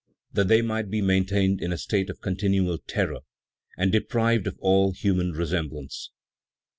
That they might be maintained in a state of continual terror and deprived of all human resemblance; 5.